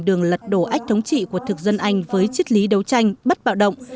đường lật đổ ách thống trị của thực dân anh với chức lý đấu tranh bất bạo động